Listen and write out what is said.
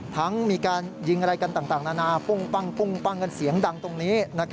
ทั้งมีการยิงอะไรกันต่างนานาปุ้งปั้งกันเสียงดังตรงนี้